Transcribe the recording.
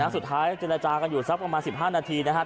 สุดท้ายเจรจากันอยู่สักประมาณ๑๕นาทีนะครับ